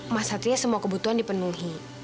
mas satria semua kebutuhan dipenuhi